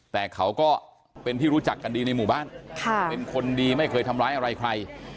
แต่เขาก็เป็นที่รู้จักกันดีในหมู่บ้านเป็นคนดีไม่เคยทำร้ายอะไรใคร